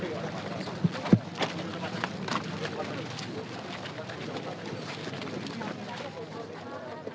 selamat pagi pak